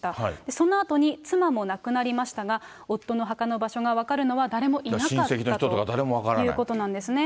そのあとに妻も亡くなりましたが、夫の墓の場所が分かるのは誰もいだから親戚の人とか誰も分かということなんですね。